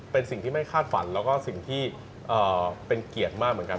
เป็นสิ่งที่ไม่คาดฝันแล้วก็สิ่งที่เป็นเกียรติมากเหมือนกัน